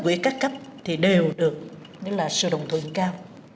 cấp ủy các cấp thì đều được đó là sự đồng thuận cao